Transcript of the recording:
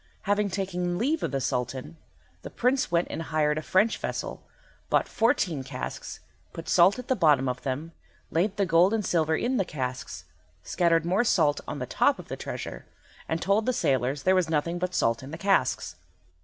Having taken leave of the Sultan, the Prince went and hired a French vessel, bought fourteen casks, put salt at the bottom of them, laid the gold and silver in the casks, scattered more salt on the top of the treasure, and told the sailors that there was nothing but salt in the casks.